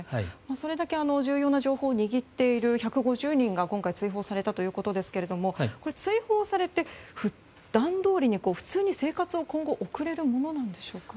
それだけ重要な情報を握っている１５０人が今回追放されたということですが追放されて、普段どおりに今後、普通に生活を送れるものなんでしょうか？